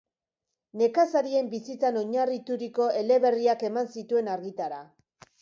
Nekazarien bizitzan oinarrituriko eleberriak eman zituen argitara.